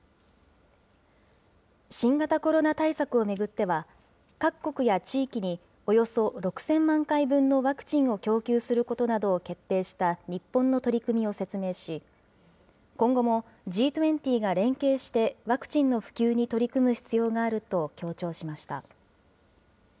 新型コロナ対策を巡っては、各国や地域におよそ６０００万回分のワクチンを供給することなどを決定した日本の取り組みを説明し、今後もＧ２０が連携して、ワクチンの普及に取り組む必要があると強調しました。